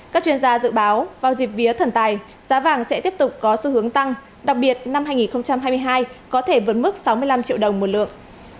các chuyên gia dự báo vào dịp vía thần tài giá vàng sẽ tiếp tục có xu hướng tăng đặc biệt năm hai nghìn hai mươi hai có thể vượt mức sáu mươi năm triệu đồng một lượng